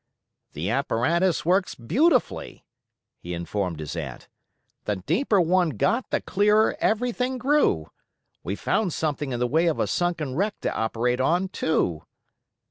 "The apparatus works beautifully," he informed his aunt; "the deeper one got the clearer everything grew. We found something in the way of a sunken wreck to operate on, too!"